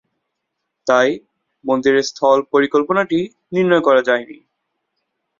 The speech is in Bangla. তাই মন্দিরের স্থল পরিকল্পনাটি নির্ণয় করা যায়নি।